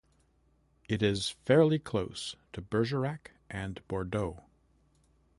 It is fairly close to Bergerac and Bordeaux.